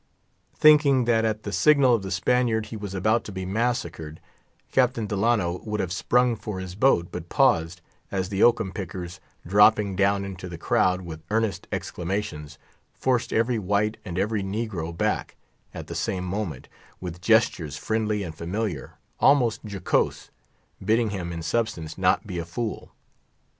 Thinking that at the signal of the Spaniard he was about to be massacred, Captain Delano would have sprung for his boat, but paused, as the oakum pickers, dropping down into the crowd with earnest exclamations, forced every white and every negro back, at the same moment, with gestures friendly and familiar, almost jocose, bidding him, in substance, not be a fool.